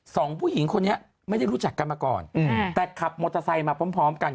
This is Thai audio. ผู้หญิงคนนี้ไม่ได้รู้จักกันมาก่อนอืมแต่ขับมอเตอร์ไซค์มาพร้อมพร้อมกัน